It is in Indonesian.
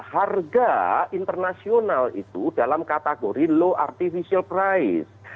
harga internasional itu dalam kategori low artificial value